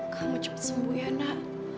kamu cepat sembuh ya nak